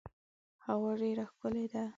هوا ډیره ښکلې ده .